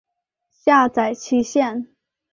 下载期限